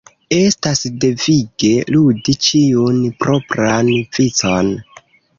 Estas devige ludi ĉiun propran vicon.